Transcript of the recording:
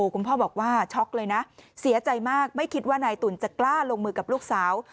คุณพ่อบอกว่าช็อกเลยนะเสียใจมากไม่คิดว่านายตุ๋นจะกล้าลงมือกับลูกสาว